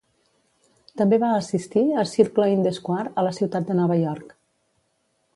També va assistir a Circle in the Square a la ciutat de Nova York.